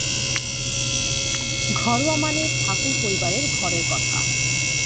ঘরোয়া মানে ঠাকুর পরিবারের ঘরের কথা।